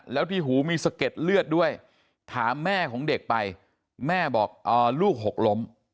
แล้วที่หูมีสะเก็ดเลือดด้วยถามแม่ของเด็กไปแม่บอกลูกหกล้ม